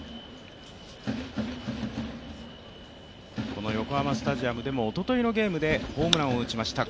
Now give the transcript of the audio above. この横浜スタジアムでもおとといのゲームでホームランを打ちました